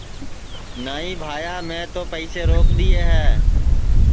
نائی بھائیا میں تو پئیسے روک دؔیے ہے